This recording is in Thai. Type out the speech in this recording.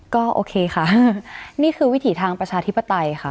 ก็โอเคค่ะนี่คือวิถีทางประชาธิปไตยค่ะ